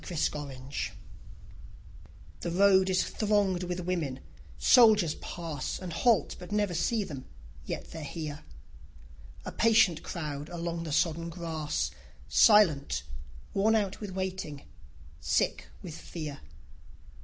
_ THE ROAD The road is thronged with women; soldiers pass And halt, but never see them; yet they're here A patient crowd along the sodden grass, Silent, worn out with waiting, sick with fear.